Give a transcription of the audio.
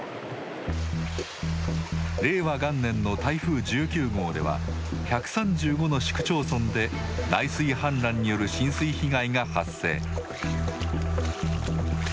令和元年の台風１９号では１３５の市区町村で内水氾濫による浸水被害が発生。